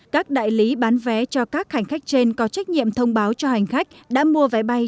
các đại lý bán vé cho các hành khách trên có trách nhiệm thông báo cho hành khách đã mua vé bay